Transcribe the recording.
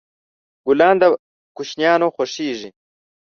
ګلان د ماشومان خوښیږي.